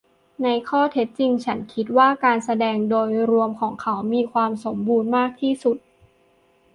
ในข้อเท็จจริง ฉันคิดว่าการแสดงโดยรวมของเขามีความสมบูรณ์มากที่สุด